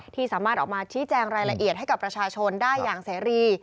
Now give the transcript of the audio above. ที่สามารถออกมาชี้แจงรายละเอียดให้กับประชาชนได้อย่างเสรี